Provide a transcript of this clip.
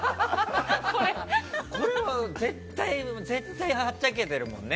これは絶対はっちゃけてるもんね